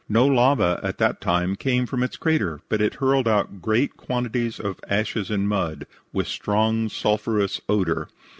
No lava at that time came from its crater, but it hurled out great quantities of ashes and mud, with strong sulphurous odor.